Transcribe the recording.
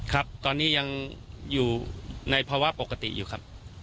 ครับตอนนี้ยังอยู่ในภาวะปกติอยู่ครับ